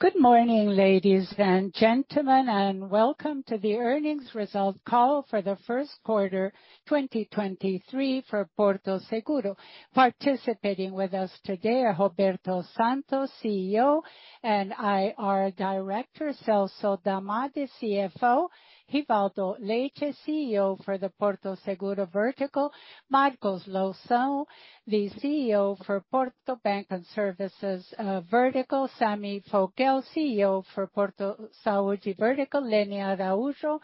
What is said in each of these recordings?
Good morning, ladies and gentlemen, welcome to the earnings result call for the Q1 2023 for Porto Seguro. Participating with us today are Roberto Santos, CEO, and IR Director, Celso Damadi, CFO, Rivaldo Leite, CEO for the Porto Seguro vertical, Marcos Loução, the CEO for Porto Bank and Services vertical, Sami Foguel, CEO for Porto Saúde vertical, Lene Araújo,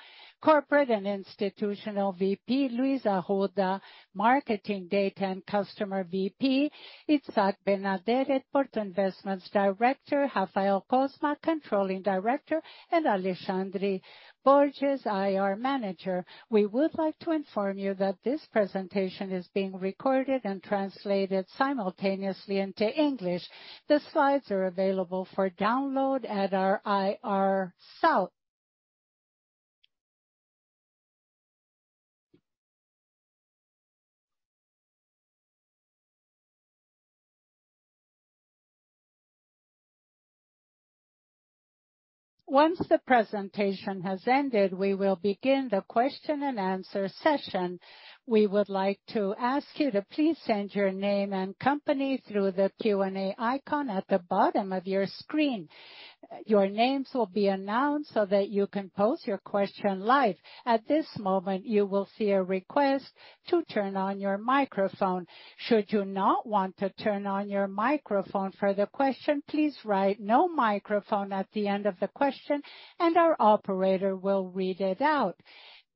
Corporate and Institutional VP, Luis Arruda, Marketing Data and Customer VP, Izak Benaderet, Porto Investments Director, Rafael Cossmann, Controlling Director, and Aleksandro Borges, IR Manager. We would like to inform you that this presentation is being recorded and translated simultaneously into English. The slides are available for download at our IR site. Once the presentation has ended, we will begin the question and answer session. We would like to ask you to please send your name and company through the Q&A icon at the bottom of your screen. Your names will be announced so that you can pose your question live. At this moment, you will see a request to turn on your microphone. Should you not want to turn on your microphone for the question, please write, "no microphone" at the end of the question. Our operator will read it out.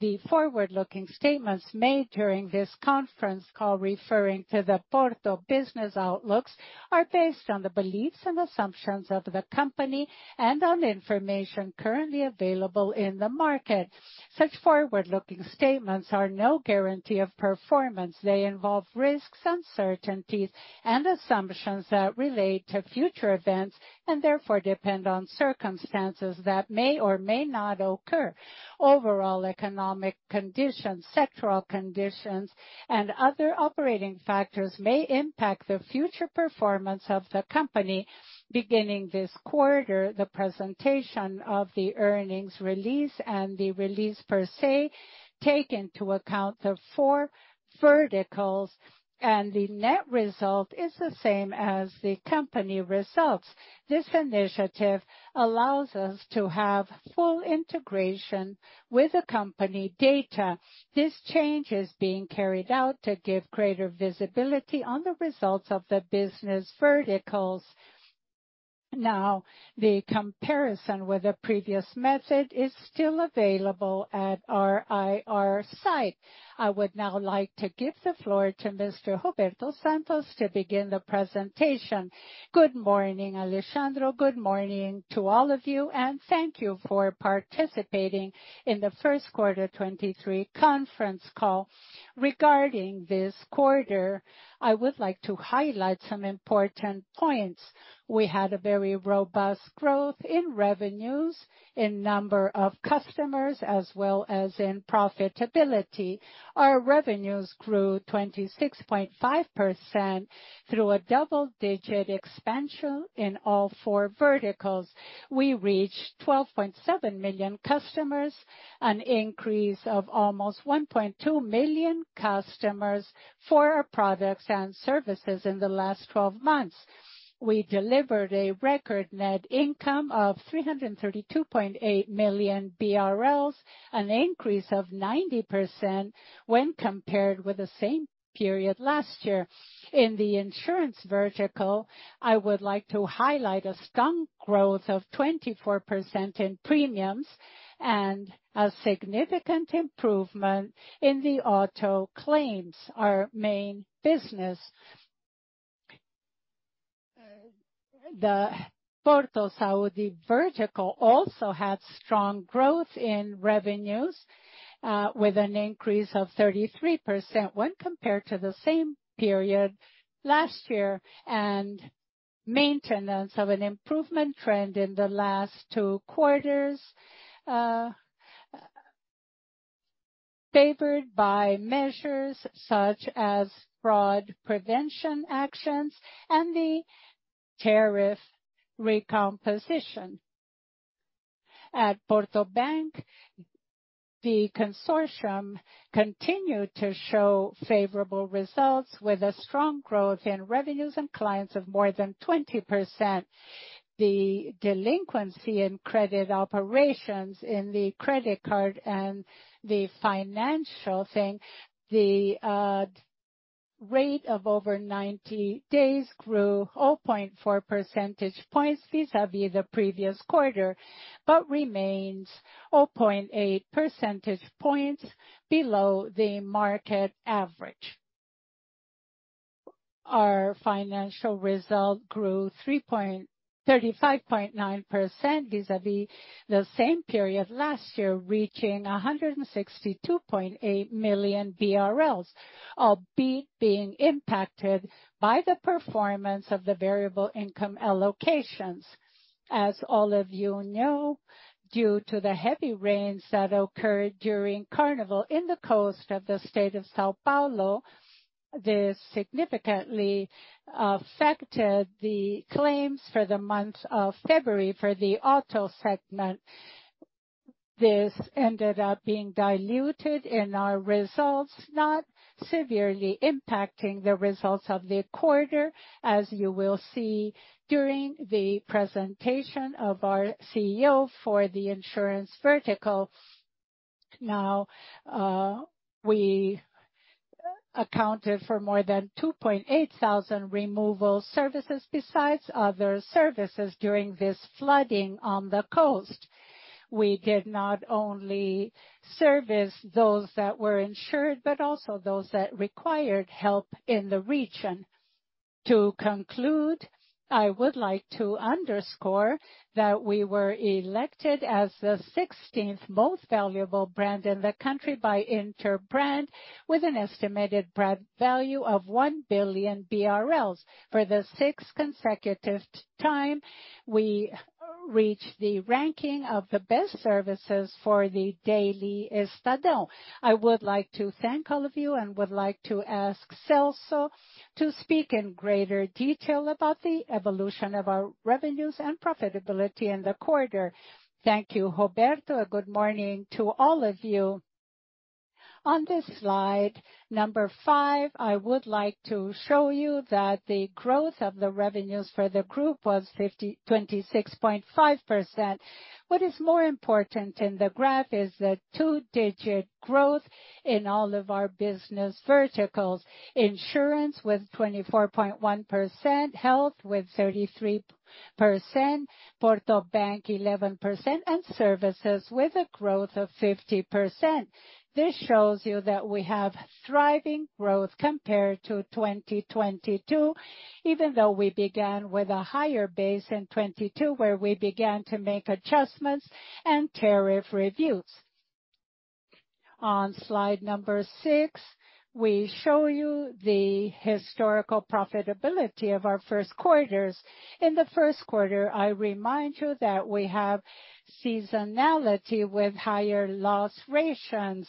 The forward-looking statements made during this conference call referring to the Porto business outlooks are based on the beliefs and assumptions of the company and on information currently available in the market. Such forward-looking statements are no guarantee of performance. They involve risks, uncertainties, and assumptions that relate to future events and therefore depend on circumstances that may or may not occur. Overall economic conditions, sectoral conditions, and other operating factors may impact the future performance of the company. Beginning this quarter, the presentation of the earnings release and the release per se take into account the four verticals, and the net result is the same as the company results. This initiative allows us to have full integration with the company data. This change is being carried out to give greater visibility on the results of the business verticals. Now, the comparison with the previous method is still available at our IR site. I would now like to give the floor to Mr. Roberto Santos to begin the presentation. Good morning, Aleksandro. Good morning to all of you, and thank you for participating in the Q1 2023 conference call. Regarding this quarter, I would like to highlight some important points. We had a very robust growth in revenues, in number of customers, as well as in profitability. Our revenues grew 26.5% through a double-digit expansion in all four verticals. We reached 12.7 million customers, an increase of almost 1.2 million customers for our products and services in the last 12 months. We delivered a record net income of 332.8 million BRL, an increase of 90% when compared with the same period last year. In the insurance vertical, I would like to highlight a strong growth of 24% in premiums and a significant improvement in the auto claims, our main business. The Porto Saúde vertical also had strong growth in revenues, with an increase of 33% when compared to the same period last year, and maintenance of an improvement trend in the last two quarters, favored by measures such as fraud prevention actions and the tariff recomposition. At Porto Bank, the Consórcio continued to show favorable results with strong growth in revenues and clients of more than 20%. The delinquency in credit operations in the credit card and the financing, the rate of over 90 days grew 0.4 percentage points vis-à-vis the previous quarter, but remains 0.8 percentage points below the market average. Our financial result grew 35.9% vis-à-vis the same period last year, reaching 162.8 million BRL, albeit being impacted by the performance of the variable income allocations. As all of you know, due to the heavy rains that occurred during Carnival on the coast of the state of São Paulo. This significantly affected the claims for the month of February for the auto segment. This ended up being diluted in our results, not severely impacting the results of the quarter, as you will see during the presentation of our CEO for the insurance vertical. We accounted for more than 2,800 removal services besides other services during this flooding on the coast. We did not only service those that were insured but also those that required help in the region. To conclude, I would like to underscore that we were elected as the 16th Most Valuable Brand in the country by Interbrand, with an estimated brand value of 1 billion BRL. For the sixth consecutive time, we reached the ranking of the best services for the Estadão Melhores Serviços. I would like to thank all of you and would like to ask Celso to speak in greater detail about the evolution of our revenues and profitability in the quarter. Thank you, Roberto, and good morning to all of you. On this slide number five, I would like to show you that the growth of the revenues for the group was 26.5%. What is more important in the graph is the two-digit growth in all of our business verticals. Insurance with 24.1%, health with 33%, Porto Bank 11%, and services with a growth of 50%. This shows you that we have thriving growth compared to 2022, even though we began with a higher base in 2022, where we began to make adjustments and tariff reviews. On slide number 6, we show you the historical profitability of our Q1. In the Q1, I remind that we have seasonality with higher loss ratios.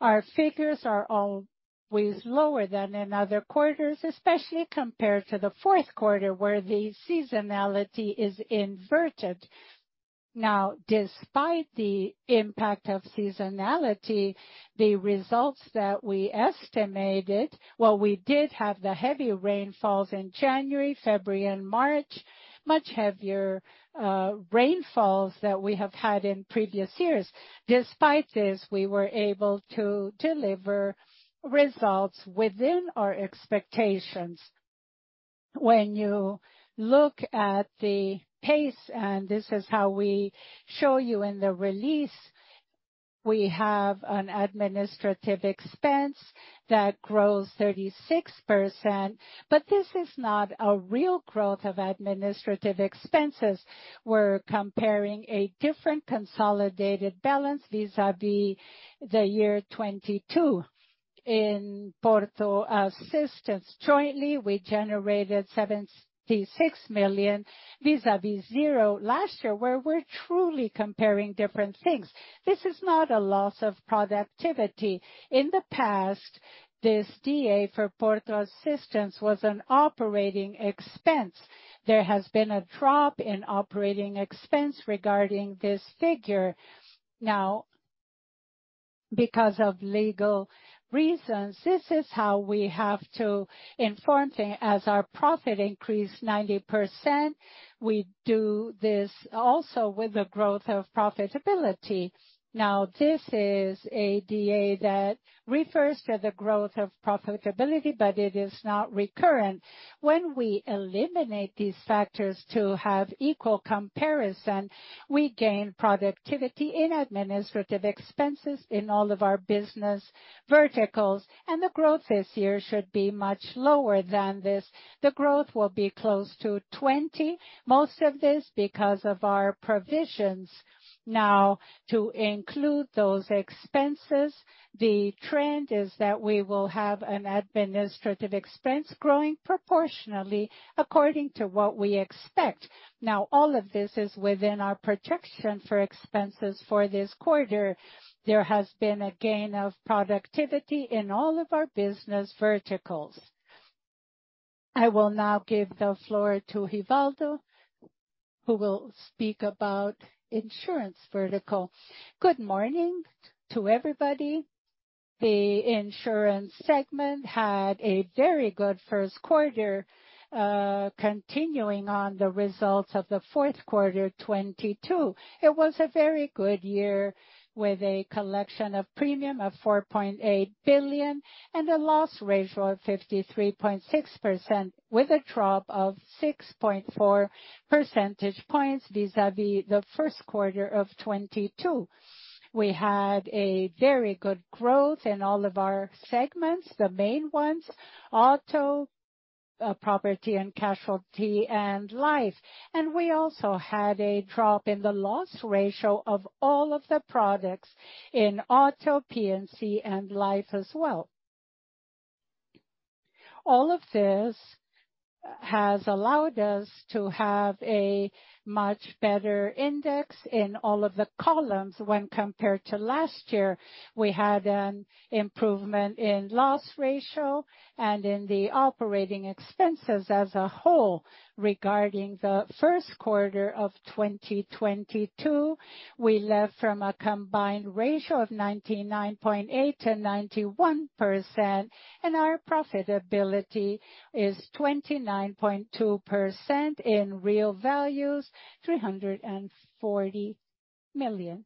Our figures are always lower than in other quarters, especially compared to the Q4, where the seasonality is inverted. Despite the impact of seasonality, the results that we estimated. Well, we did have the heavy rainfalls in January, February, and March, much heavier rainfalls than we have had in previous years. Despite this, we were able to deliver results within our expectations. When you look at the pace, and this is how we show you in the release, we have an administrative expense that grows 36%, but this is not a real growth of administrative expenses. We're comparing a different consolidated balance vis-a-vis the year 2022. In Porto Assistência, jointly, we generated 76 million vis-a-vis zero last year, where we're truly comparing different things. This is not a loss of productivity. In the past, this DA for Porto Assistência was an operating expense. There has been a drop in operating expense regarding this figure. Because of legal reasons, this is how we have to inform things. As our profit increased 90%, we do this also with the growth of profitability. This is a DA that refers to the growth of profitability, but it is not recurrent. When we eliminate these factors to have equal comparison, we gain productivity in administrative expenses in all of our business verticals, and the growth this year should be much lower than this. The growth will be close to 20, most of this because of our provisions. To include those expenses, the trend is that we will have an administrative expense growing proportionally according to what we expect. All of this is within our projection for expenses for this quarter. There has been a gain of productivity in all of our business verticals. I will now give the floor to Rivaldo, who will speak about insurance vertical. Good morning to everybody. The insurance segment had a very good Q1, continuing on the results of the Q4 2022. It was a very good year with a collection of premium of 4.8 billion and a loss ratio of 53.6%, with a drop of 6.4 percentage points vis-a-vis the Q1 of 2022. We had a very good growth in all of our segments, the main ones, auto, property and casualty, and life. We also had a drop in the loss ratio of all of the products in auto, P&C, and life as well. All of this has allowed us to have a much better index in all of the columns when compared to last year. We had an improvement in loss ratio and in the operating expenses as a whole. Regarding the Q1 of 2022, we learned from a combined ratio of 99.8% to 91%. Our profitability is 29.2% in real values, BRL 340 million.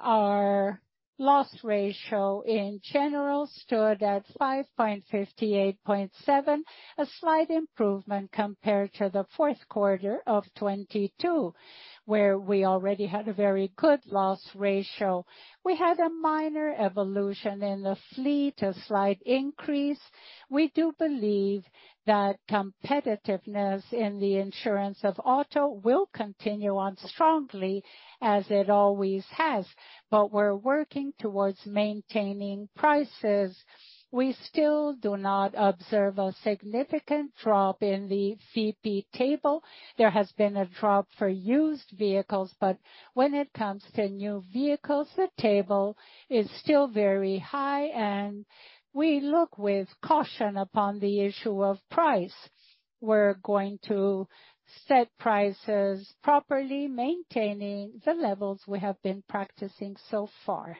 Our loss ratio in general stood at 58.7%, a slight improvement compared to the Q4 of 2022, where we already had a very good loss ratio. We had a minor evolution in the fleet, a slight increase. We do believe that competitiveness in the insurance of auto will continue on strongly as it always has. We're working towards maintaining prices. We still do not observe a significant drop in the Tabela FIPE. There has been a drop for used vehicles. When it comes to new vehicles, the table is still very high. We look with caution upon the issue of price. We're going to set prices properly, maintaining the levels we have been practicing so far.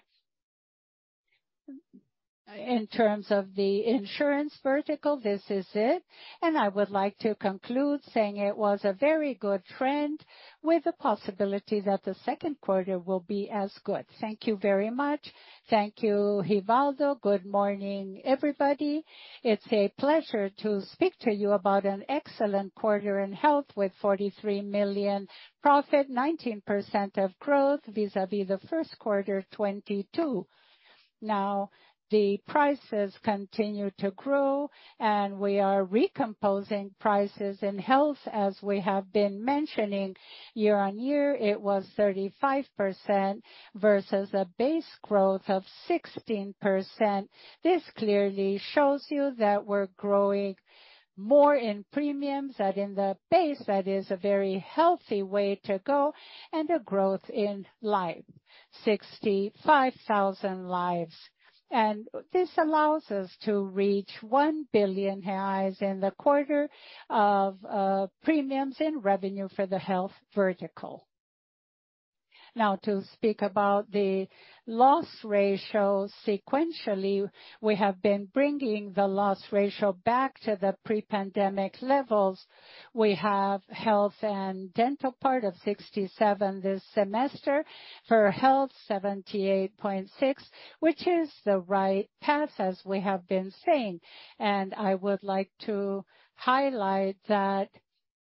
In terms of the insurance vertical, this is it, and I would like to conclude saying it was a very good trend with the possibility that the Q2 will be as good. Thank you very much. Thank you, Rivaldo. Good morning, everybody. It's a pleasure to speak to you about an excellent quarter in health with 43 million profit, 19% of growth vis-à-vis the Q1 of 2022. Now, the prices continue to grow, and we are recomposing prices in health as we have been mentioning. Year on year, it was 35% versus a base growth of 16%. This clearly shows you that we're growing more in premiums than in the base. That is a very healthy way to go, and a growth in life, 65,000 lives. This allows us to reach 1 billion in the quarter of premiums and revenue for the health vertical. Now to speak about the loss ratio sequentially, we have been bringing the loss ratio back to the pre-pandemic levels. We have health and dental part of 67% this semester. For health, 78.6%, which is the right path, as we have been saying. I would like to highlight that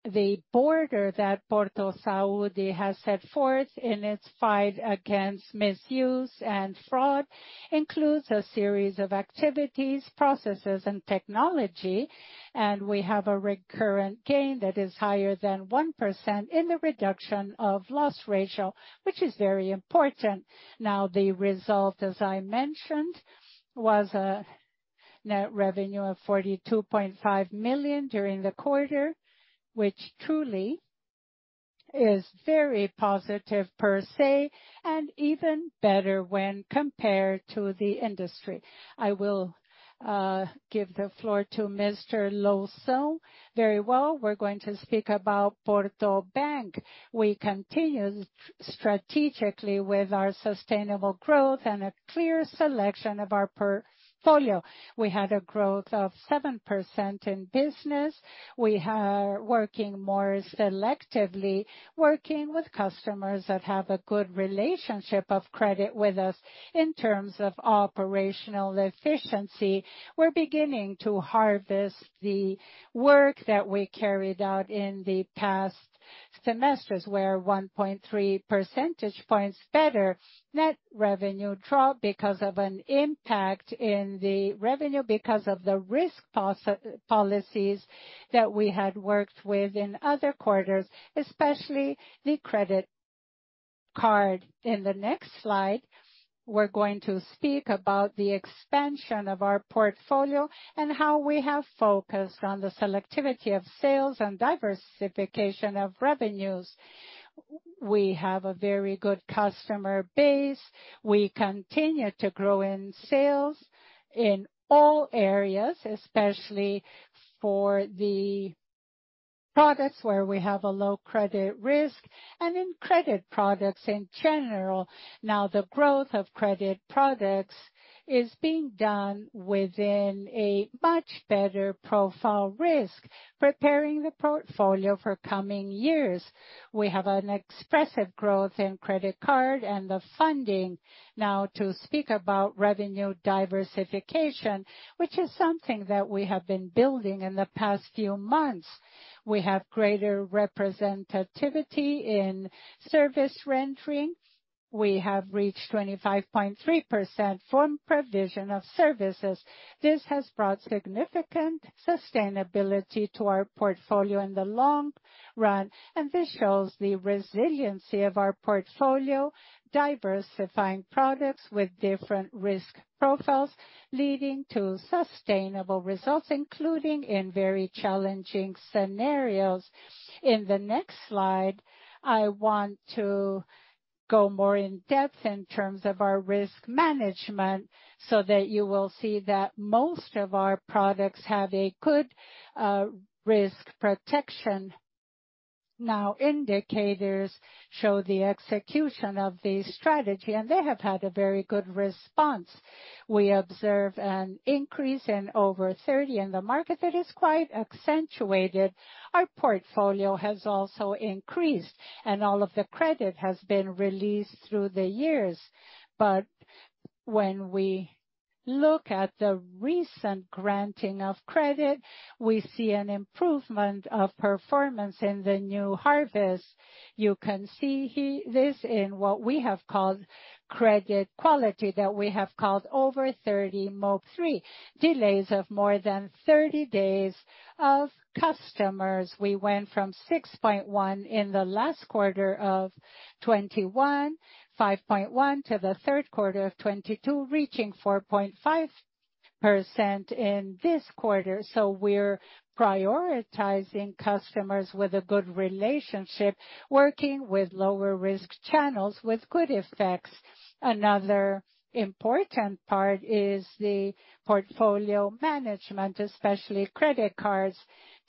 the border that Porto Saúde has set forth in its fight against misuse and fraud includes a series of activities, processes, and technology, and we have a recurrent gain that is higher than 1% in the reduction of loss ratio, which is very important. The result, as I mentioned, was a net revenue of 42.5 million during the quarter, which truly is very positive per se, even better when compared to the industry. I will give the floor to Mr. Loução. Very well. We're going to speak about Porto Bank. We continue strategically with our sustainable growth a clear selection of our portfolio. We had a growth of 7% in business. We are working more selectively, working with customers that have a good relationship of credit with us. In terms of operational efficiency, we're beginning to harvest the work that we carried out in the past semesters, where 1.3 percentage points better net revenue dropped because of an impact in the revenue, because of the risk policies that we had worked with in other quarters, especially the credit card. The next slide, we're going to speak about the expansion of our portfolio and how we have focused on the selectivity of sales and diversification of revenues. We have a very good customer base. We continue to grow in sales in all areas, especially for the products where we have a low credit risk, and in credit products in general. The growth of credit products is being done within a much better profile risk, preparing the portfolio for coming years. We have an expressive growth in credit card and the funding. To speak about revenue diversification, which is something that we have been building in the past few months. We have greater representativity in service rendering. We have reached 25.3% from provision of services. This has brought significant sustainability to our portfolio in the long run, this shows the resiliency of our portfolio, diversifying products with different risk profiles, leading to sustainable results, including in very challenging scenarios. In the next slide, I want to go more in depth in terms of our risk management, so that you will see that most of our products have a good risk protection. Indicators show the execution of the strategy, they have had a very good response. We observe an increase in over thirty in the market that is quite accentuated. Our portfolio has also increased, all of the credit has been released through the years. When we look at the recent granting of credit, we see an improvement of performance in the new harvest. You can see this in what we have called credit quality, that we have called over thirty MOB3. Delays of more than 30 days of customers. We went from 6.1 in the last quarter of 2021, 5.1 to the Q3 of 2022, reaching 4.5% in this quarter. We're prioritizing customers with a good relationship, working with lower risk channels with good effects. Another important part is the portfolio management, especially credit cards.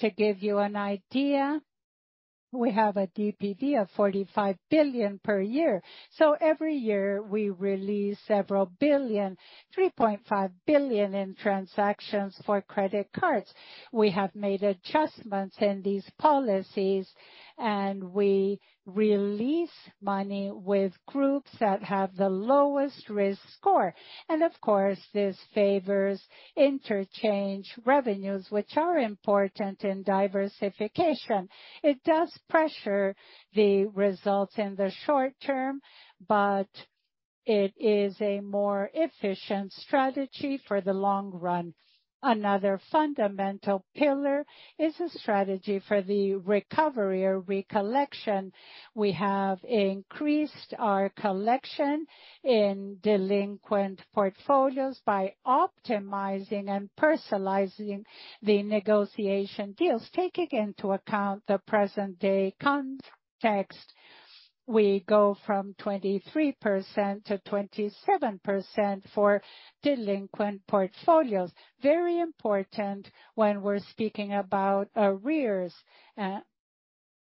To give you an idea, we have a DPD of 45 billion per year. Every year, we release several billion, 3.5 billion in transactions for credit cards. We have made adjustments in these policies, and we release money with groups that have the lowest risk score. Of course, this favors interchange revenues, which are important in diversification. It does pressure the results in the short term, it is a more efficient strategy for the long run. Another fundamental pillar is a strategy for the recovery or recollection. We have increased our collection in delinquent portfolios by optimizing and personalizing the negotiation deals, taking into account the present-day context. We go from 23% to 27% for delinquent portfolios. Very important when we're speaking about arrears.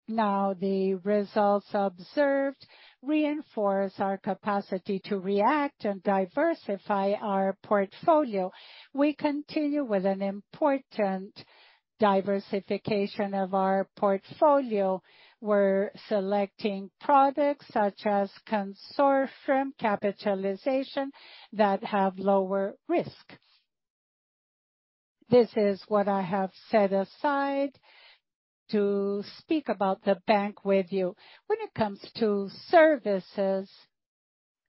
Now the results observed reinforce our capacity to react and diversify our portfolio. We continue with an important diversification of our portfolio. We're selecting products such as consortium capitalization that have lower risk. This is what I have set aside to speak about the Bank with you. When it comes to services,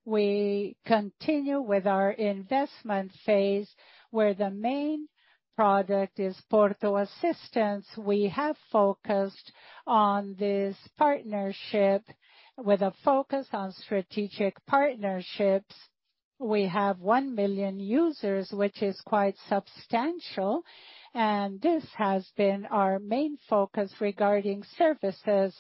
we continue with our investment phase, where the main product is Porto Assistência. We have focused on this partnership with a focus on strategic partnerships. We have 1 million users, which is quite substantial. This has been our main focus regarding services.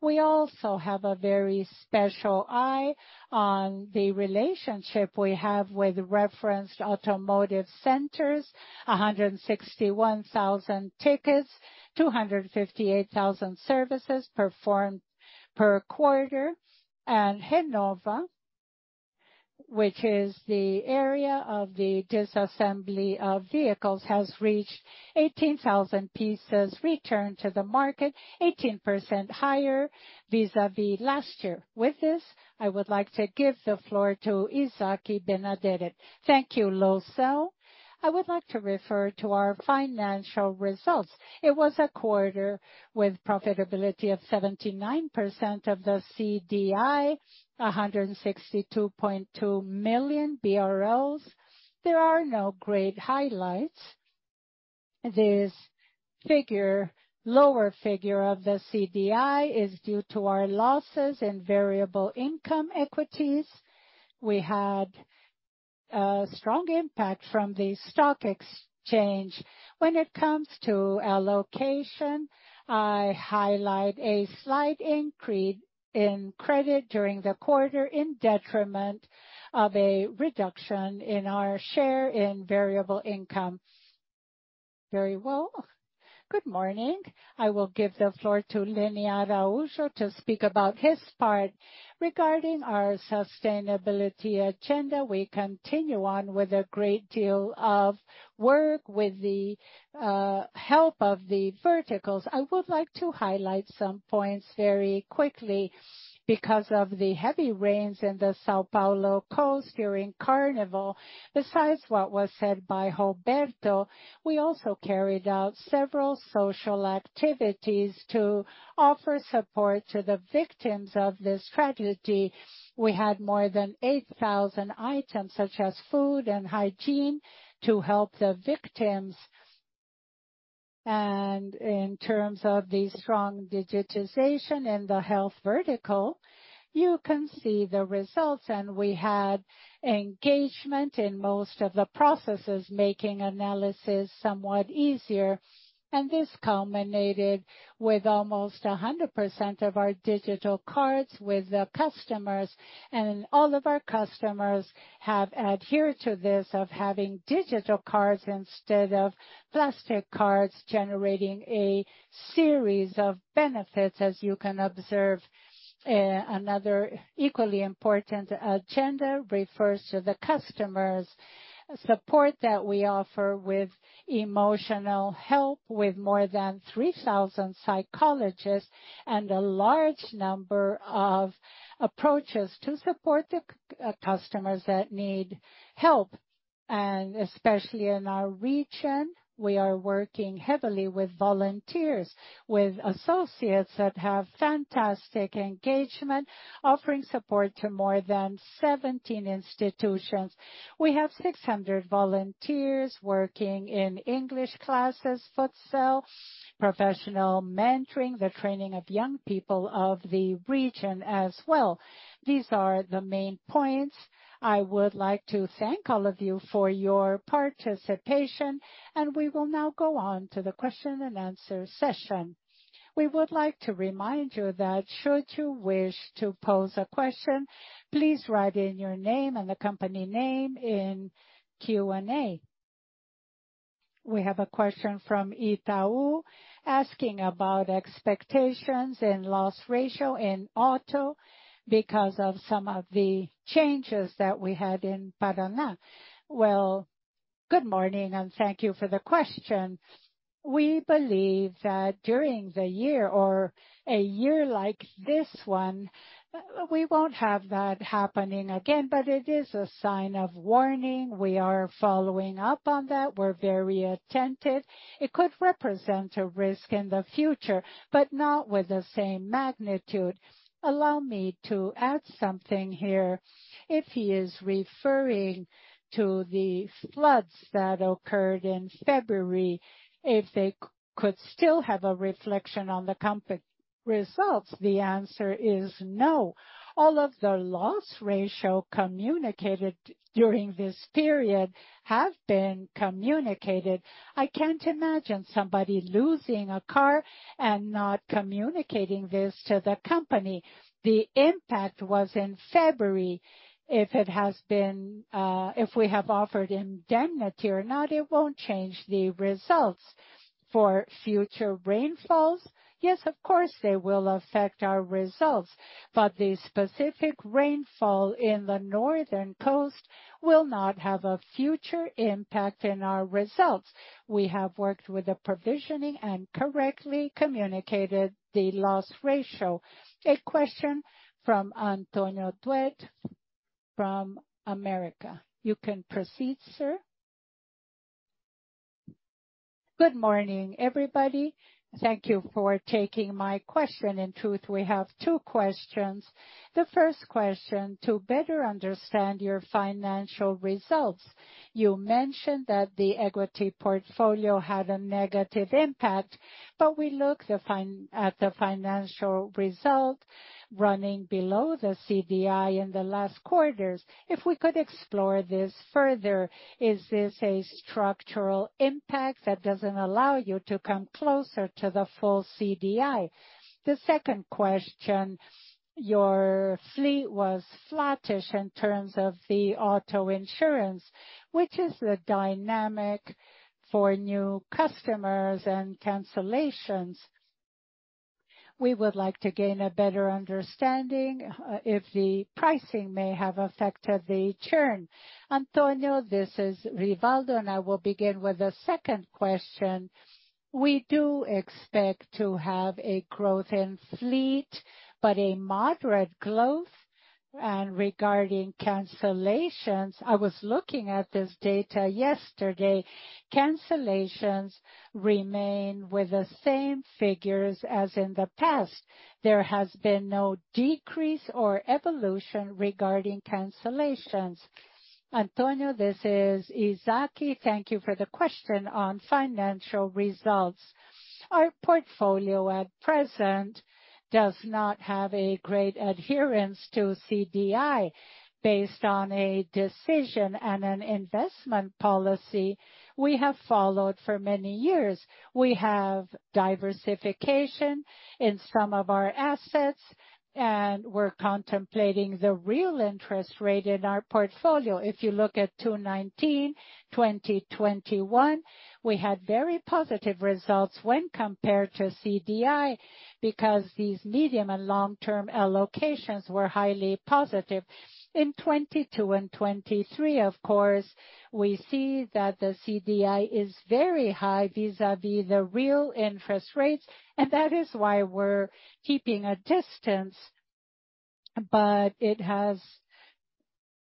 We also have a very special eye on the relationship we have with referenced automotive centers. 161,000 tickets, 258,000 services performed per quarter. Renova, which is the area of the disassembly of vehicles, has reached 18,000 pieces returned to the market, 18% higher vis-à-vis last year. With this, I would like to give the floor to Izak Benaderet. Thank you, Loução. I would like to refer to our financial results. It was a quarter with profitability of 79% of the CDI, 162.2 million BRL. There are no great highlights. This figure, lower figure of the CDI is due to our losses in variable income equities. We had a strong impact from the stock exchange. When it comes to allocation, I highlight a slight increase in credit during the quarter in detriment of a reduction in our share in variable income. Very well. Good morning. I will give the floor to Lene Araujo to speak about his part. Regarding our sustainability agenda, we continue on with a great deal of work with the help of the verticals. I would like to highlight some points very quickly. Because of the heavy rains in the São Paulo coast during Carnival, besides what was said by Roberto, we also carried out several social activities to offer support to the victims of this tragedy. We had more than 8,000 items, such as food and hygiene, to help the victims. In terms of the strong digitization in the health vertical, you can see the results. We had engagement in most of the processes, making analysis somewhat easier. This culminated with almost 100% of our digital cards with the customers. All of our customers have adhered to this of having digital cards instead of plastic cards, generating a series of benefits, as you can observe. Another equally important agenda refers to the customers support that we offer with emotional help, with more than 3,000 psychologists and a large number of approaches to support the customers that need help. Especially in our region, we are working heavily with volunteers, with associates that have fantastic engagement, offering support to more than 17 institutions. We have 600 volunteers working in English classes, futsal, professional mentoring, the training of young people of the region as well. These are the main points. I would like to thank all of you for your participation and we will now go on to the question and answer session. We would like to remind you that should you wish to pose a question, please write in your name and the company name in Q&A. We have a question from Itaú asking about expectations in loss ratio in auto because of some of the changes that we had in Paraná. Well, good morning, and thank you for the question. We believe that during the year or a year like this one, we won't have that happening again, but it is a sign of warning. We are following up on that. We're very attentive. It could represent a risk in the future, but not with the same magnitude. Allow me to add something here. If he is referring to the floods that occurred in February, if they could still have a reflection on the company results, the answer is no. All of the loss ratio communicated during this period have been communicated. I can't imagine somebody losing a car and not communicating this to the company. The impact was in February. If it has been, if we have offered indemnity or not, it won't change the results. For future rainfalls, yes, of course, they will affect our results. The specific rainfall in the northern coast will not have a future impact in our results. We have worked with the provisioning and correctly communicated the loss ratio. A question from Antonio Ruette from Bank of America. You can proceed, sir. Good morning, everybody. Thank you for taking my question. In truth, we have 2 questions. The first question, to better understand your financial results, you mentioned that the equity portfolio had a negative impact, but we look at the financial result running below the CDI in the last quarters. If we could explore this further, is this a structural impact that doesn't allow you to come closer to the full CDI? The second question, your fleet was flattish in terms of the auto insurance. Which is the dynamic for new customers and cancellations? We would like to gain a better understanding if the pricing may have affected the churn. Antonio, this is Rivaldo, I will begin with the second question. We do expect to have a growth in fleet, but a moderate growth. Regarding cancellations, I was looking at this data yesterday. Cancellations remain with the same figures as in the past. There has been no decrease or evolution regarding cancellations. Antonio, this is Izak. Thank you for the question on financial results. Our portfolio at present does not have a great adherence to CDI based on a decision and an investment policy we have followed for many years. We have diversification in some of our assets, and we're contemplating the real interest rate in our portfolio. If you look at 2019, 2021, we had very positive results when compared to CDI because these medium and long-term allocations were highly positive. In 2022 and 2023, of course, we see that the CDI is very high vis-à-vis the real interest rates, and that is why we're keeping a distance. It has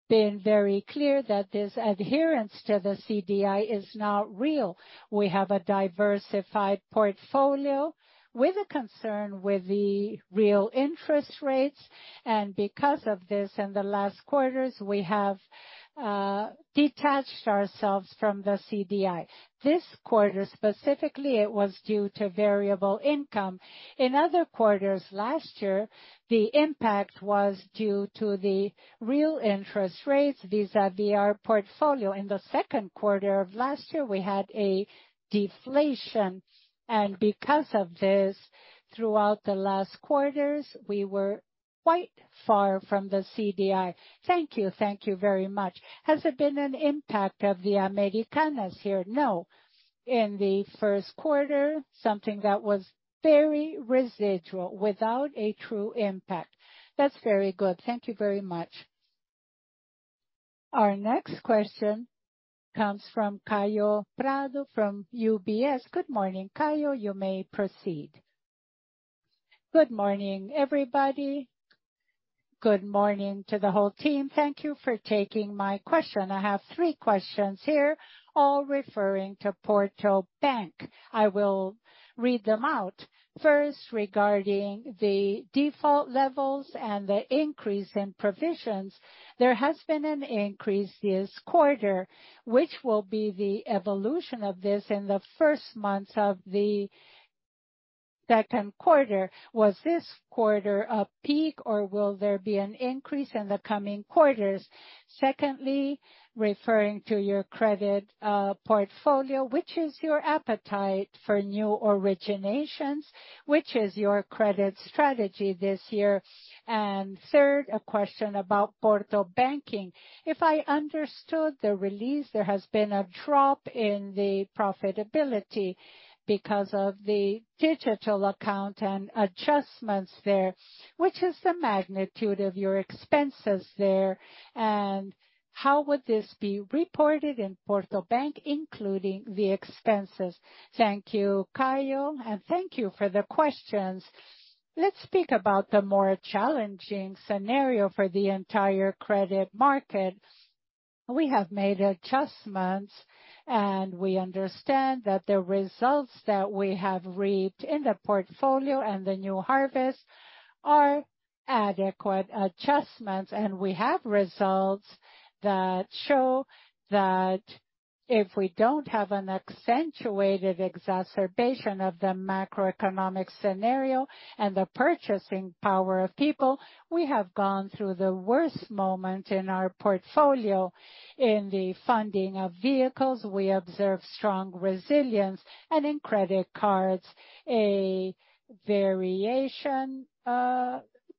been very clear that this adherence to the CDI is now real. We have a diversified portfolio with a concern with the real interest rates. Because of this, in the last quarters, we have detached ourselves from the CDI. This quarter specifically, it was due to variable income. In other quarters last year, the impact was due to the real interest rates vis-à-vis our portfolio. In the Q2 of last year, we had a deflation. Because of this, throughout the last quarters, we were quite far from the CDI. Thank you. Thank you very much. Has there been an impact of the Americanas here? No. In the Q1, something that was very residual without a true impact. That's very good. Thank you very much. Our next question comes from Caio Prado from UBS. Good morning, Caio. You may proceed. Good morning, everybody. Good morning to the whole team. Thank you for taking my question. I have three questions here, all referring to Porto Bank. I will read them out. Regarding the default levels and the increase in provisions, there has been an increase this quarter, which will be the evolution of this in the first months of the second quarter. Was this quarter a peak or will there be an increase in the coming quarters? Referring to your credit portfolio, which is your appetite for new originations, which is your credit strategy this year? Third, a question about Porto Banking. If I understood the release, there has been a drop in the profitability because of the digital account and adjustments there. Which is the magnitude of your expenses there, and how would this be reported in Porto Bank, including the expenses? Thank you, Caio, and thank you for the questions. Let's speak about the more challenging scenario for the entire credit market. We have made adjustments, we understand that the results that we have reaped in the portfolio and the new harvest are adequate adjustments. We have results that show that if we don't have an accentuated exacerbation of the macroeconomic scenario and the purchasing power of people, we have gone through the worst moment in our portfolio. In the funding of vehicles, we observe strong resilience, and in credit cards, a variation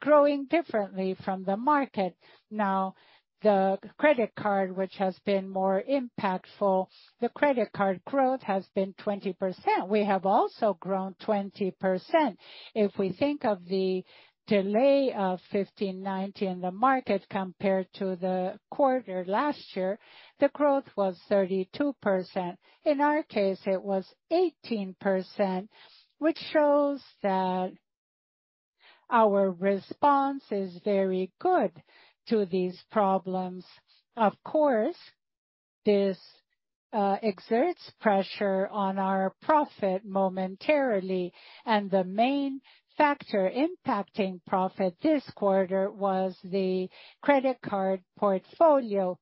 growing differently from the market. The credit card, which has been more impactful, the credit card growth has been 20%. We have also grown 20%. If we think of the delay of 15-90 in the market compared to the quarter last year, the growth was 32%. In our case, it was 18%, which shows that our response is very good to these problems. Of course, this exerts pressure on our profit momentarily, and the main factor impacting profit this quarter was the credit card portfolio.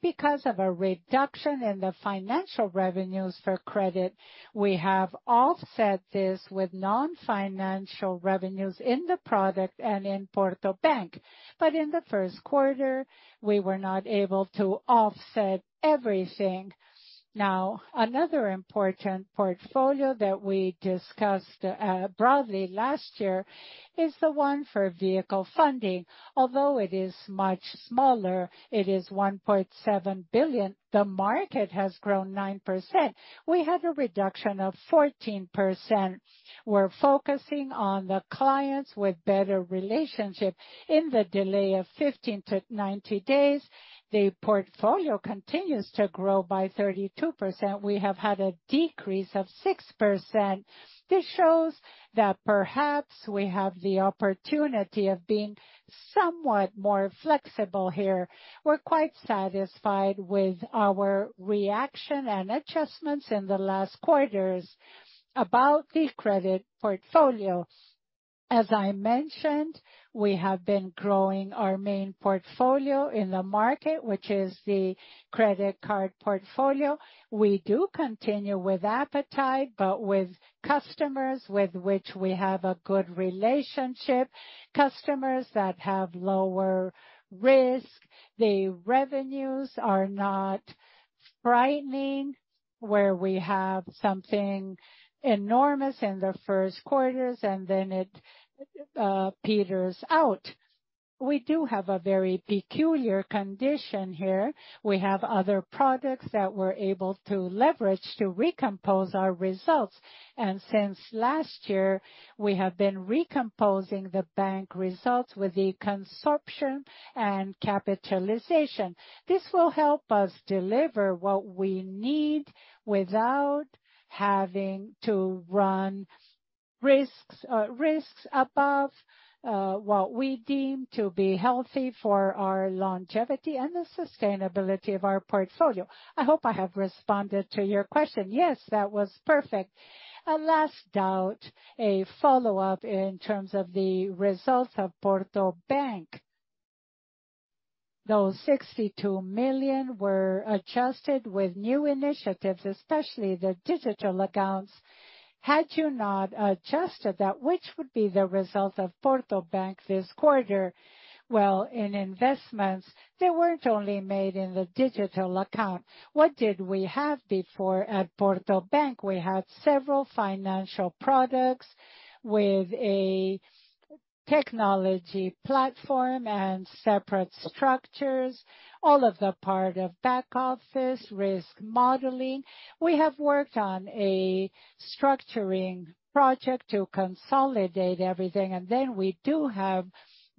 Because of a reduction in the financial revenues for credit, we have offset this with non-financial revenues in the product and in Porto Bank. In the Q1, we were not able to offset everything. Another important portfolio that we discussed broadly last year is the one for vehicle funding. Although it is much smaller, it is 1.7 billion. The market has grown 9%. We had a reduction of 14%. We're focusing on the clients with better relationship. In the delay of 15-90 days, the portfolio continues to grow by 32%. We have had a decrease of 6%. This shows that perhaps we have the opportunity of being somewhat more flexible here. We're quite satisfied with our reaction and adjustments in the last quarters. About the credit portfolio, as I mentioned, we have been growing our main portfolio in the market, which is the credit card portfolio. We do continue with appetite, with customers with which we have a good relationship, customers that have lower risk. The revenues are not frightening, where we have something enormous in the Q1 and then it peters out. We do have a very peculiar condition here. We have other products that we're able to leverage to recompose our results. Since last year, we have been recomposing the Bank results with the consumption and capitalization. This will help us deliver what we need without having to run risks above what we deem to be healthy for our longevity and the sustainability of our portfolio. I hope I have responded to your question. Yes, that was perfect. A last doubt, a follow-up in terms of the results of Porto Bank. Those 62 million were adjusted with new initiatives, especially the digital accounts. Had you not adjusted that, which would be the result of Porto Bank this quarter? Well, in investments, they weren't only made in the digital account. What did we have before at Porto Bank? We had several financial products with a technology platform and separate structures, all of the part of back office, risk modeling. We have worked on a structuring project to consolidate everything, and then we do have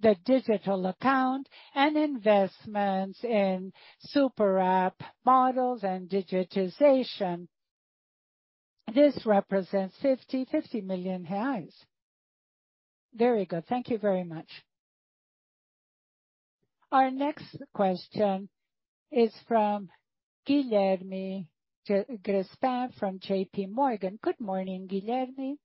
the digital account and investments in Super App models and digitization. This represents 50 million reais. Very good. Thank you very much. Our next question is from Guilherme Grespan from JPMorgan. Good morning, Guilherme.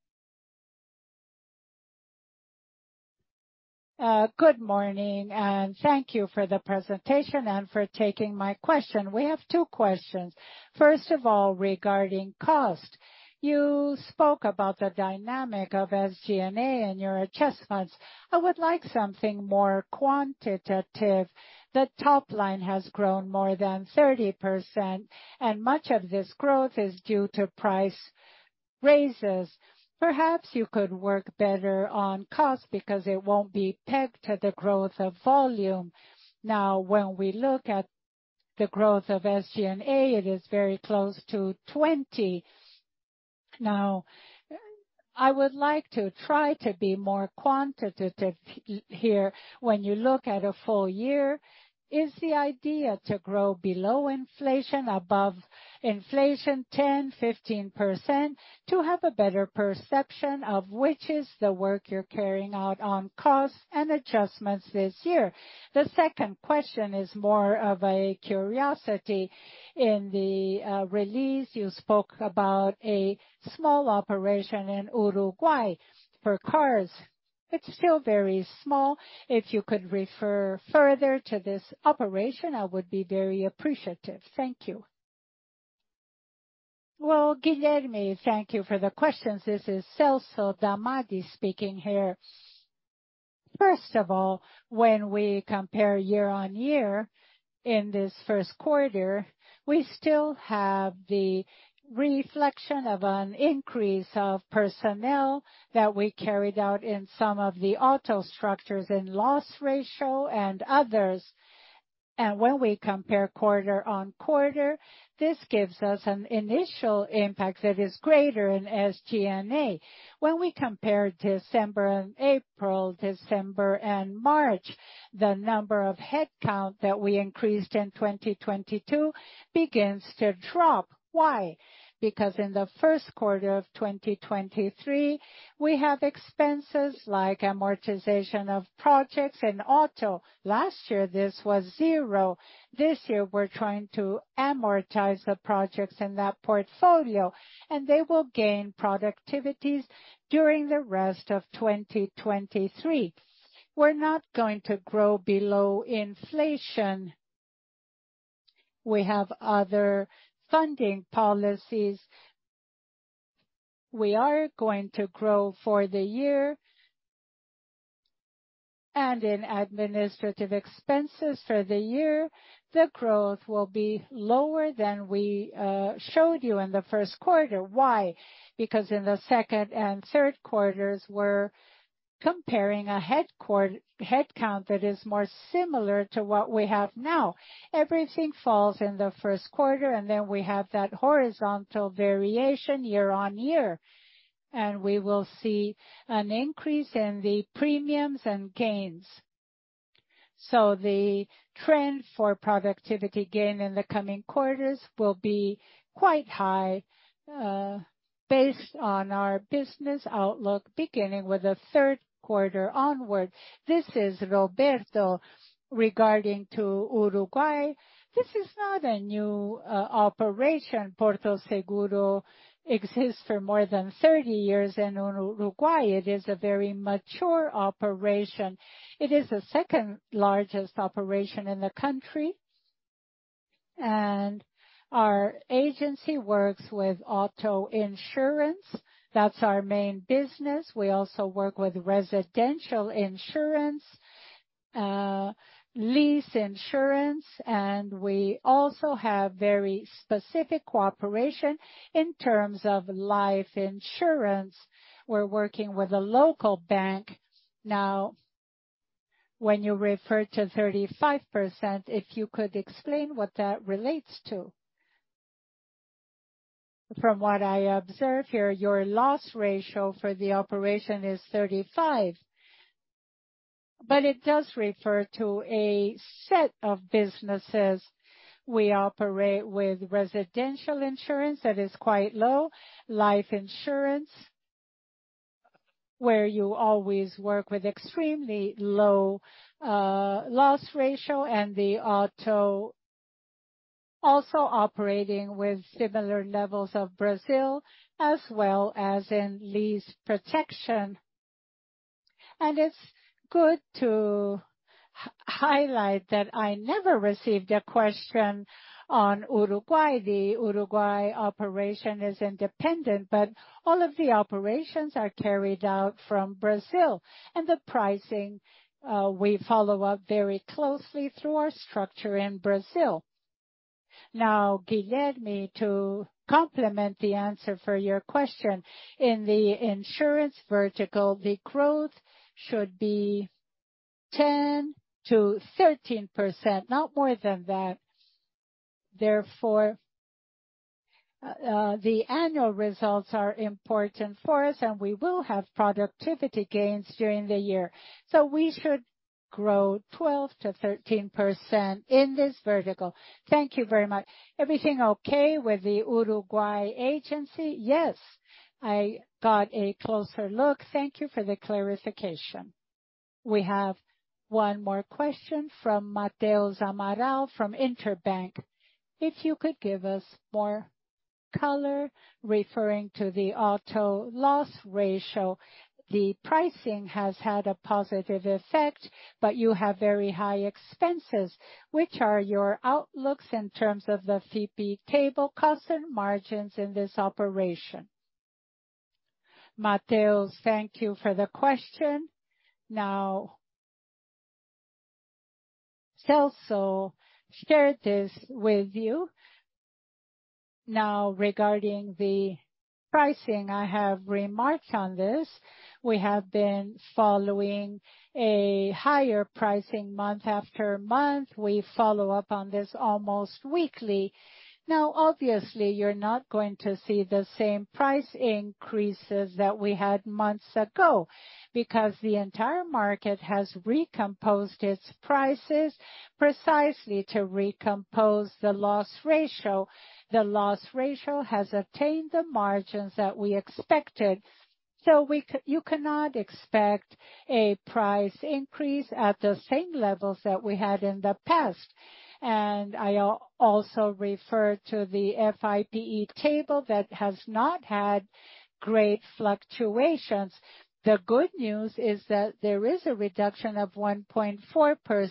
Good morning, and thank you for the presentation and for taking my question. We have 2 questions. First of all, regarding cost. You spoke about the dynamic of SG&A and your adjustments. I would like something more quantitative. The top line has grown more than 30%, and much of this growth is due to price raises. Perhaps you could work better on cost because it won't be pegged to the growth of volume. When we look at the growth of SG&A, it is very close to 20%. I would like to try to be more quantitative here. When you look at a full year, is the idea to grow below inflation, above inflation 10%, 15%, to have a better perception of which is the work you're carrying out on cost and adjustments this year. The second question is more of a curiosity. In the release, you spoke about a small operation in Uruguay for cars. It's still very small. If you could refer further to this operation, I would be very appreciative. Thank you. Well, Guilherme, thank you for the questions. This is Celso Damadi speaking here. First of all, when we compare year-over-year in this Q1, we still have the reflection of an increase of personnel that we carried out in some of the auto structures in loss ratio and others. When we compare quarter-over-quarter, this gives us an initial impact that is greater in SG&A. When we compare December and April, December and March, the number of headcount that we increased in 2022 begins to drop. Why? Because in the Q1 of 2023, we have expenses like amortization of projects in auto. Last year, this was zero. This year, we're trying to amortize the projects in that portfolio, and they will gain productivities during the rest of 2023. We're not going to grow below inflation. We have other funding policies. We are going to grow for the year. In administrative expenses for the year, the growth will be lower than we showed you in the Q1. Why? Because in the second and third quarters, we're comparing a headcount that is more similar to what we have now. Everything falls in the Q1, and then we have that horizontal variation year-on-year. We will see an increase in the premiums and gains. The trend for productivity gain in the coming quarters will be quite high, based on our business outlook, beginning with the Q3 onward. This is Roberto. Regarding to Uruguay, this is not a new operation. Porto Seguro exists for more than 30 years in Uruguay. It is a very mature operation. It is the second largest operation in the country. Our agency works with auto insurance. That's our main business. We also work with residential insurance, lease insurance. We also have very specific cooperation in terms of life insurance. We're working with a local bank. When you refer to 35%, if you could explain what that relates to. From what I observe here, your loss ratio for the operation is 35%. It does refer to a set of businesses. We operate with residential insurance that is quite low, life insurance, where you always work with extremely low loss ratio, and the auto also operating with similar levels of Brazil as well as in lease protection. It's good to highlight that I never received a question on Uruguay. The Uruguay operation is independent, but all of the operations are carried out from Brazil. The pricing, we follow up very closely through our structure in Brazil. Now, Guilherme, to complement the answer for your question, in the insurance vertical, the growth should be 10%-13%, not more than that. Therefore, the annual results are important for us, and we will have productivity gains during the year. We should grow 12%-13% in this vertical. Thank you very much. Everything okay with the Uruguay agency? Yes. I got a closer look. Thank you for the clarification. We have one more question from Matheus Zamarão from Inter. If you could give us more color referring to the auto loss ratio, the pricing has had a positive effect, but you have very high expenses. Which are your outlooks in terms of the FIPE table cost and margins in this operation? Matheus, thank you for the question. Celso shared this with you. Regarding the pricing, I have remarks on this. We have been following a higher pricing month after month. We follow up on this almost weekly. Obviously, you're not going to see the same price increases that we had months ago, because the entire market has recomposed its prices precisely to recompose the loss ratio. The loss ratio has attained the margins that we expected, so you cannot expect a price increase at the same levels that we had in the past. I also refer to the FIPE table that has not had great fluctuations. The good news is that there is a reduction of 1.4%,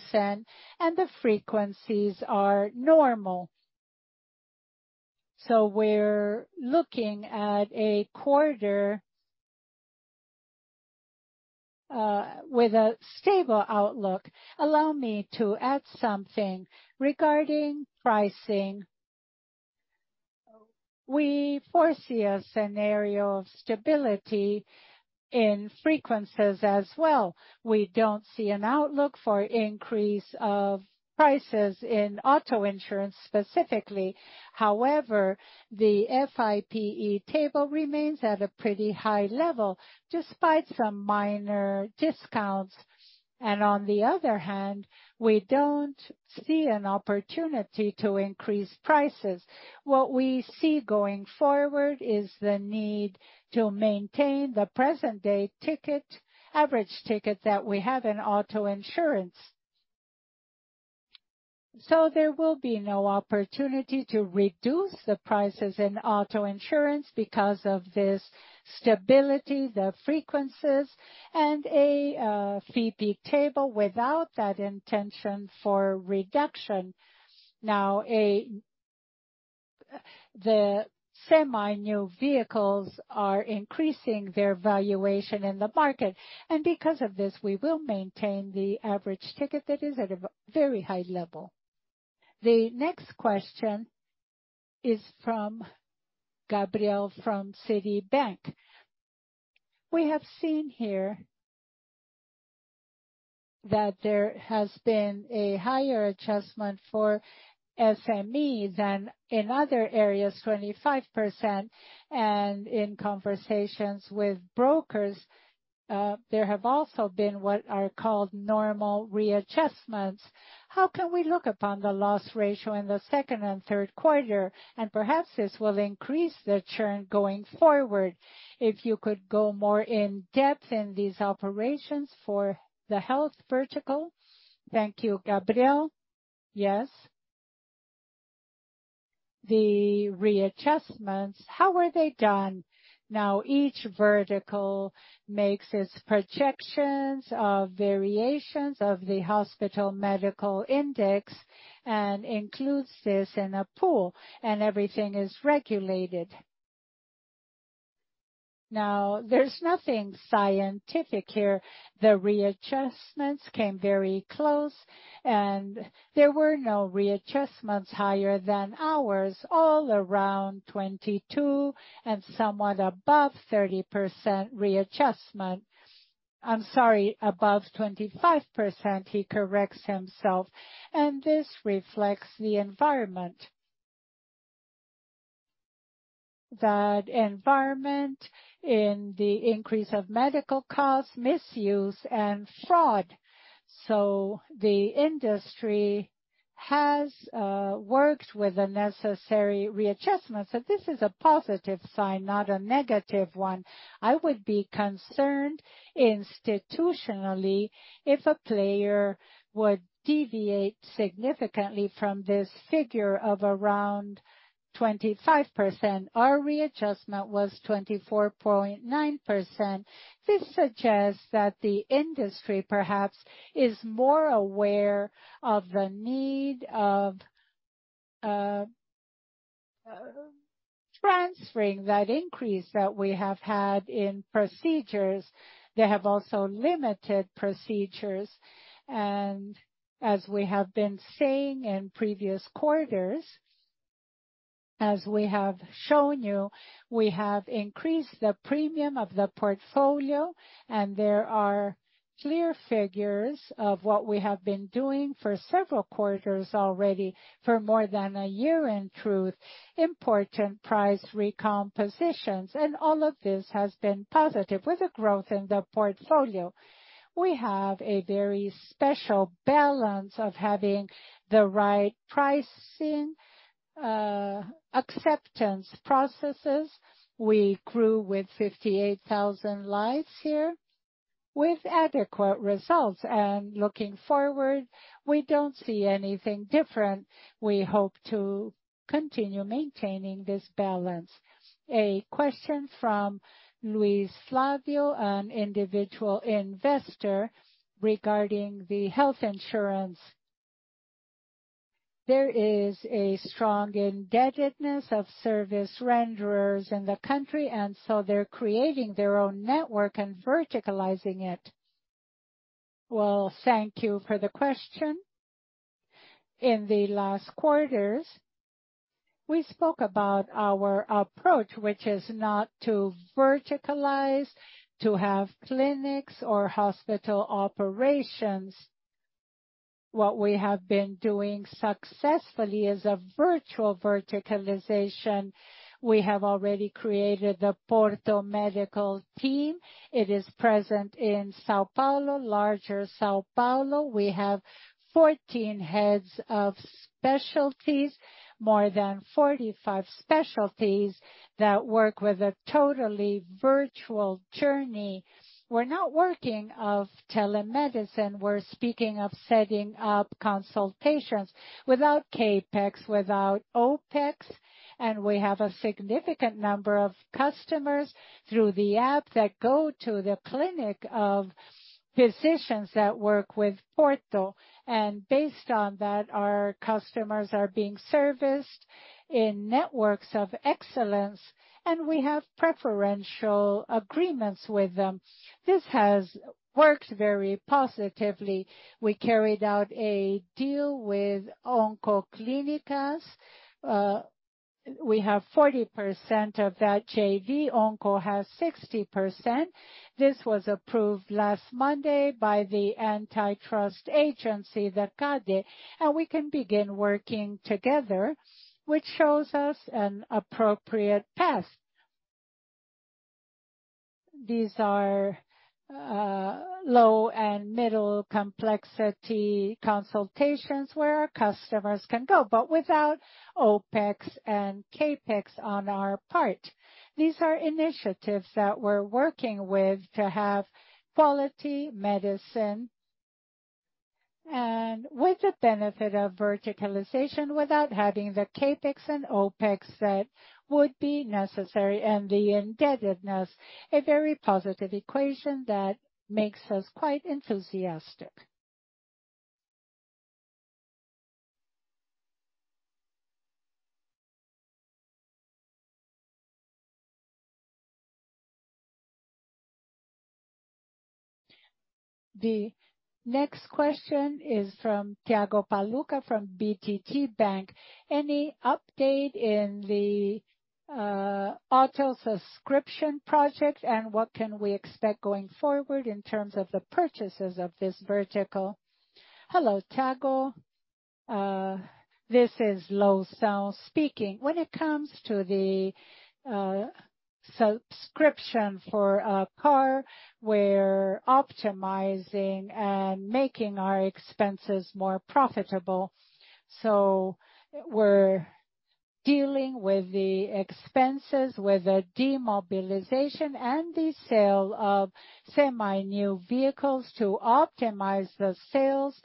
and the frequencies are normal. We're looking at a quarter with a stable outlook. Allow me to add something. Regarding pricing, we foresee a scenario of stability in frequencies as well. We don't see an outlook for increase of prices in auto insurance specifically. However, the FIPE table remains at a pretty high level, despite some minor discounts. On the other hand, we don't see an opportunity to increase prices. What we see going forward is the need to maintain the present day ticket, average ticket that we have in auto insurance. There will be no opportunity to reduce the prices in auto insurance because of this stability, the frequencies, and a FIPE table without that intention for reduction. The semi-new vehicles are increasing their valuation in the market, and because of this, we will maintain the average ticket that is at a very high level. The next question is from Gabriel from Citibank. We have seen here that there has been a higher adjustment for SMEs and in other areas, 25%, and in conversations with brokers, there have also been what are called normal readjustments. How can we look upon the loss ratio in the Q2 and Q3? Perhaps this will increase the churn going forward. If you could go more in depth in these operations for the health vertical. Thank you, Gabriel. Yes. The readjustments, how are they done? Now, each vertical makes its projections of variations of the hospital medical index and includes this in a pool. Everything is regulated. Now, there's nothing scientific here. The readjustments came very close. There were no readjustments higher than ours, all around 22 and somewhat above 30% readjustment. I'm sorry, above 25%, he corrects himself. This reflects the environment. That environment in the increase of medical costs, misuse and fraud. The industry has worked with the necessary readjustment. This is a positive sign, not a negative one. I would be concerned institutionally if a player would deviate significantly from this figure of around 25%. Our readjustment was 24.9%. This suggests that the industry perhaps is more aware of the need of transferring that increase that we have had in procedures. They have also limited procedures. As we have been saying in previous quarters, as we have shown you, we have increased the premium of the portfolio, and there are clear figures of what we have been doing for several quarters already for more than a year, in truth, important price recompositions. All of this has been positive with the growth in the portfolio. We have a very special balance of having the right pricing, acceptance processes. We grew with 58,000 lives here with adequate results. Looking forward, we don't see anything different. We hope to continue maintaining this balance. A question from Luis Flavio, an individual investor, regarding the health insurance. There is a strong indebtedness of service renderers in the country. They're creating their own network and verticalizing it. Well, thank you for the question. In the last quarters, we spoke about our approach, which is not to verticalize, to have clinics or hospital operations. What we have been doing successfully is a virtual verticalization. We have already created the Porto medical team. It is present in São Paulo, larger São Paulo. We have 14 heads of specialties, more than 45 specialties that work with a totally virtual journey. We're not working with telemedicine. We're speaking of setting up consultations without CapEx, without OpEx. We have a significant number of customers through the app that go to the clinic of physicians that work with Porto. Based on that, our customers are being serviced in networks of excellence, and we have preferential agreements with them. This has worked very positively. We carried out a deal with Oncoclínicas. We have 40% of that JV. Onco has 60%. This was approved last Monday by the antitrust agency, the CADE. We can begin working together, which shows us an appropriate path. These are low and middle complexity consultations where our customers can go, but without OpEx and CapEx on our part. These are initiatives that we're working with to have quality medicine and with the benefit of verticalization without having the CapEx and OpEx that would be necessary, and the indebtedness, a very positive equation that makes us quite enthusiastic. The next question is from Thiago Paura, from BTG Pactual. Any update in the auto subscription project, and what can we expect going forward in terms of the purchases of this vertical? Hello, Thiago. This is Celso Damadi speaking. When it comes to the subscription for a car, we're optimizing and making our expenses more profitable. We're dealing with the expenses, with the demobilization and the sale of semi-new vehicles to optimize the sales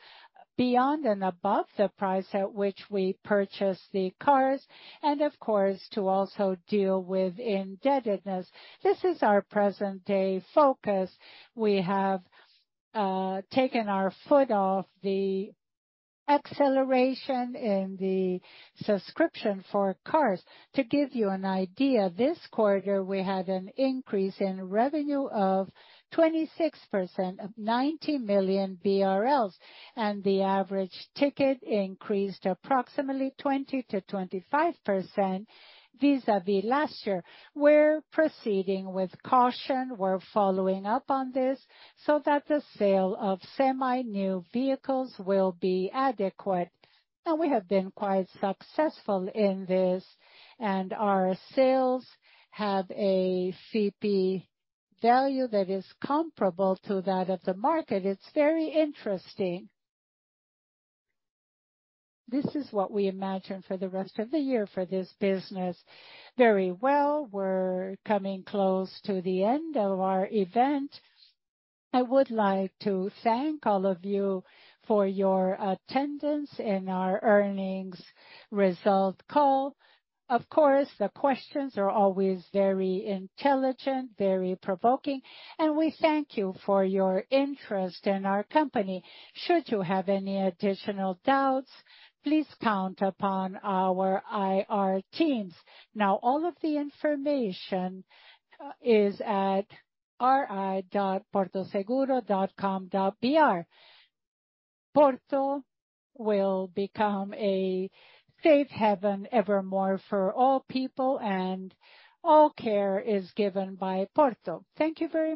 beyond and above the price at which we purchase the cars, and of course, to also deal with indebtedness. This is our present-day focus. We have taken our foot off the acceleration in the subscription for cars. To give you an idea, this quarter we had an increase in revenue of 26% of 90 million BRL, and the average ticket increased approximately 20%-25% vis-à-vis last year. We're proceeding with caution. We're following up on this so that the sale of semi-new vehicles will be adequate. We have been quite successful in this, and our sales have a CP value that is comparable to that of the market. It's very interesting. This is what we imagine for the rest of the year for this business. Very well. We're coming close to the end of our event. I would like to thank all of you for your attendance in our earnings result call. Of course, the questions are always very intelligent, very provoking, and we thank you for your interest in our company. Should you have any additional doubts, please count upon our IR teams. Now, all of the information is at ri.portoseguro.com.br. Porto will become a safe haven evermore for all people, and all care is given by Porto. Thank you very much.